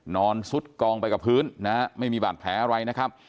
ซุดกองไปกับพื้นนะฮะไม่มีบาดแผลอะไรนะครับ